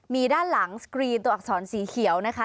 มีด้านหลังสกรีนตัวอักษรสีเขียวนะคะ